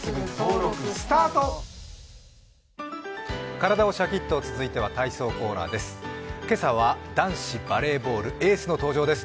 体をしゃきっと続いては体操コーナーです。